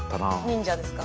・忍者ですか？